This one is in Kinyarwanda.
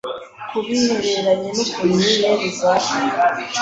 ku bihereranye n’ukuntu inyenyeri zaka.